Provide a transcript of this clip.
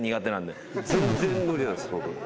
全然無理なんです僕。